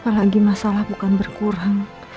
apalagi masalah bukan berkurang